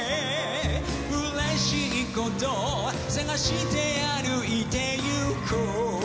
「うれしいこと探して歩いて行こう」